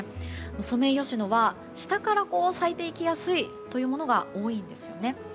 ソメイヨシノは下から咲いていきやすいというものが多いんです。